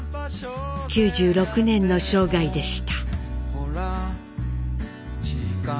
９６年の生涯でした。